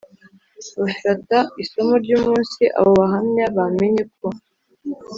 bafata isomo ry umunsi Abo Bahamya bamenye ko